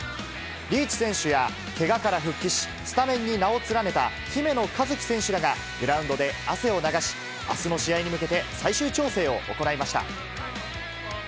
リーチ選手や、けがから復帰し、スタメンに名を連ねた姫野和樹選手らが、グラウンドで汗を流し、あすの試合に向けて、最終調整を行いました。